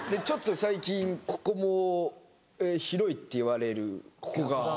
ちょっと最近ここも広いって言われるここが。